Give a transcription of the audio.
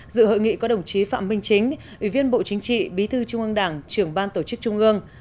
dự hội nghị có đồng chí phạm minh chính ủy viên bộ chính trị bí thư trung ương đảng trưởng ban tổ chức trung ương